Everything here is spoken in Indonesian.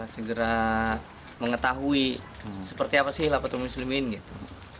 segera mengetahui seperti apa sih hilafatul muslimin gitu